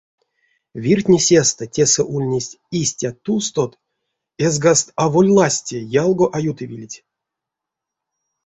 Виртне сестэ тесэ ульнесть истят тустот, эзгаст аволь ласте, ялго а ютавилить.